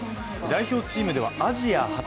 代表チームではアジア初。